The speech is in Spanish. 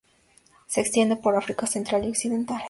Se extiende por África Central y Occidental.